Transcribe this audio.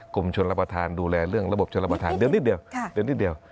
กลุ่มชนรับประทานดูแลเรื่องระบบชนรับประทานเดี๋ยวนิดเดียว